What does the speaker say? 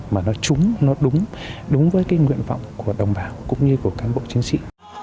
mà nó trúng nó đúng đúng đúng với cái nguyện vọng của đồng bào cũng như của cán bộ chiến sĩ